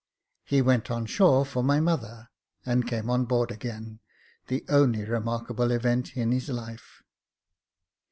He went on shore for my mother, and came on board again — the only remarkable event in his life.